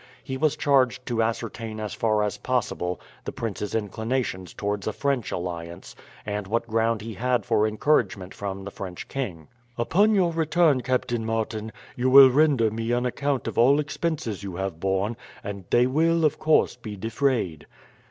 He was charged to ascertain as far as possible the prince's inclinations towards a French alliance, and what ground he had for encouragement from the French king. "Upon your return, Captain Martin, you will render me an account of all expenses you have borne, and they will, of course, be defrayed."